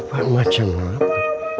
bapak macam apa